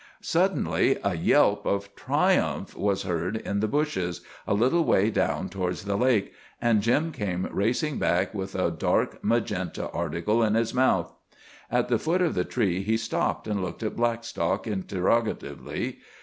Suddenly a yelp of triumph was heard in the bushes, a little way down towards the lake, and Jim came racing back with a dark magenta article in his mouth. At the foot of the tree he stopped, and looked at Blackstock interrogatively.